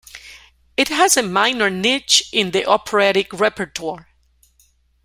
It has a minor niche in the operatic repertoire.